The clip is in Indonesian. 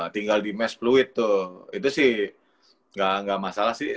tinggal di mesh fluid tuh itu sih nggak masalah sih